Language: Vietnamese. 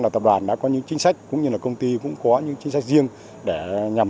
tập đoàn công nghiệp